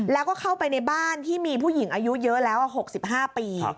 แล้วก็เข้าไปในบ้านที่มีผู้หญิงอายุเยอะแล้ว๖๕ปี